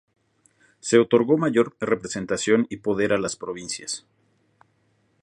Se otorgó mayor representación y poder a las provincias.